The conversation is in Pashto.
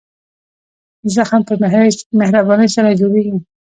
زخم په مهربانۍ سره ژر جوړېږي.